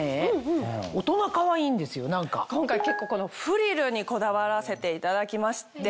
今回結構このフリルにこだわらせていただきまして。